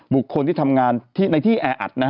บุคคลที่ทำงานในที่แออัดนะฮะ